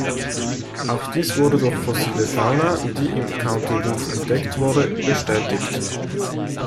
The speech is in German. Auch dies wurde durch fossile Fauna, die im County Louth entdeckt wurde, bestätigt.